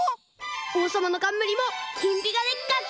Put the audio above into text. おうさまのかんむりもきんぴかでかっこいい！